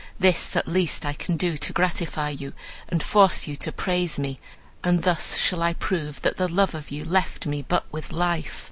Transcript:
This at least I can do to gratify you and force you to praise me; and thus shall I prove that the love of you left me but with life.